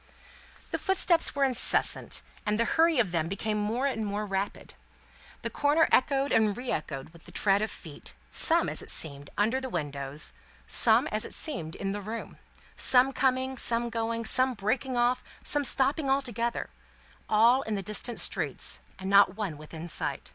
The footsteps were incessant, and the hurry of them became more and more rapid. The corner echoed and re echoed with the tread of feet; some, as it seemed, under the windows; some, as it seemed, in the room; some coming, some going, some breaking off, some stopping altogether; all in the distant streets, and not one within sight.